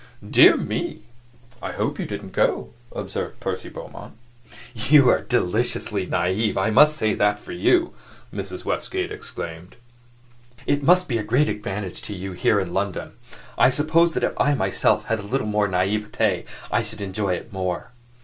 "Dear me! I hope you didn't go," observed Percy Beaumont. "You are deliciously naive, I must say that for you!" Mrs. Westgate exclaimed. "It must be a great advantage to you here in London. I suppose that if I myself had a little more naivete, I should enjoy it more.